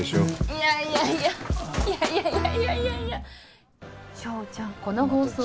いやいやいやいやいやいやいや。